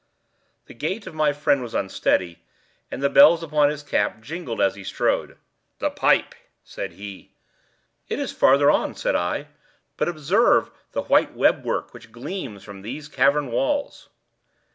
The gait of my friend was unsteady, and the bells upon his cap jingled as he strode. "The pipe," said he. "It is farther on," said I; "but observe the white web work which gleams from these cavern walls."